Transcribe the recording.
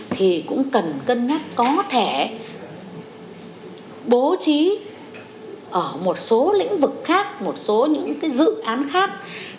thì cũng cần cân nhắc có thể bố trí ở một số lĩnh vực khác một số những dự án khác